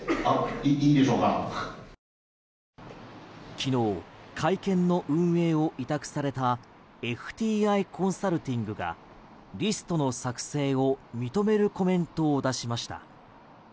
昨日、会見の運営を委託されたＦＴＩコンサルティングがリストの作成を認めるコメントを出しました。